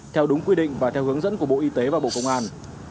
theo đúng quy định và theo hướng dẫn của bộ y tế và bộ công an